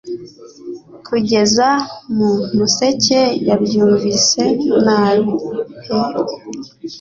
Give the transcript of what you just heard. Kugeza mu museke yabyumvise nabi pe